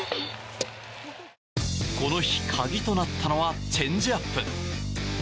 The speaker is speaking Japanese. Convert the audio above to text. この日、鍵となったのはチェンジアップ。